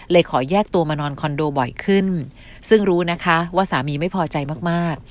ขอแยกตัวมานอนคอนโดบ่อยขึ้นซึ่งรู้นะคะว่าสามีไม่พอใจมากมาก